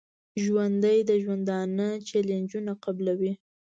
ژوندي د ژوندانه چیلنجونه قبلوي